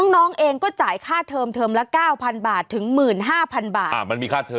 น้องเองก็จ่ายค่าเทิมเทิมละ๙๐๐๐บาทถึง๑๕๐๐๐บาท